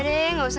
kenapa kok kan